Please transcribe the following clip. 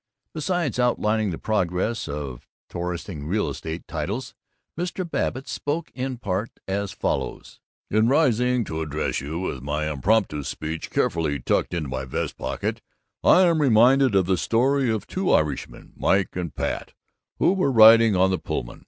Besides outlining the progress of Torrensing real estate titles, Mr. Babbitt spoke in part as follows: "'In rising to address you, with my impromptu speech carefully tucked into my vest pocket, I am reminded of the story of the two Irishmen, Mike and Pat, who were riding on the Pullman.